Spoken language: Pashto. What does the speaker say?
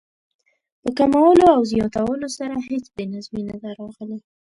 په کمولو او زیاتولو سره هېڅ بې نظمي نه ده راغلې.